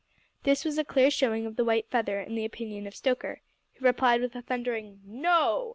This was a clear showing of the white feather in the opinion of Stoker, who replied with a thundering, "No!"